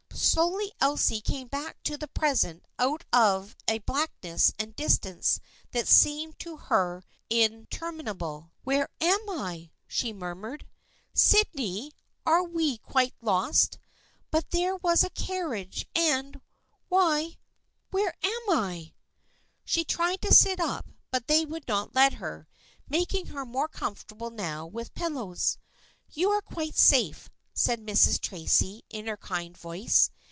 Slowly Elsie came back to the present out of a blackness and distance that seemed to her inter minable. " Where am I ?" she murmured. " Syd ney, are we quite lost ? But there was a carriage and — why, where am I ?" She tried to sit up but they would not let her, making her more comfortable now with pillows. " You are quite safe," said Mrs. Tracy in her kind voice.